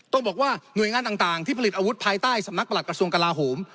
ต้องบอกว่าหน่วยงานต่างที่ผลิตอาวุธภายใต้สำนักประหลักกระทรวงกลาโหม